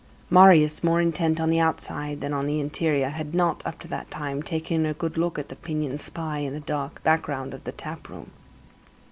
Marius, more intent on the outside than on the interior, had not, up to that time, taken a good look at the pinioned spy in the dark background of the tap room.